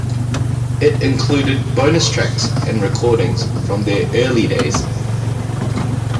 It included bonus tracks and recordings from their early days.